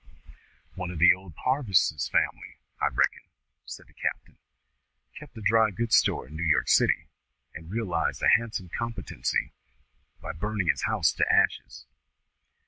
"One of old Parvis's fam'ly I reckon," said the captain, "kept a dry goods store in New York city, and realised a handsome competency by burning his house to ashes.